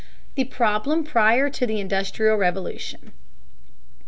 THE PROBLEM PRIOR TO THE INDUSTRIAL REVOLUTION.